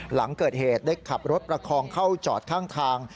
หลังเกิดเหตุได้ขับรถประคองเข้าจอดข้างทาง